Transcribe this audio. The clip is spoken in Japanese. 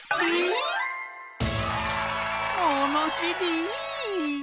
ものしり！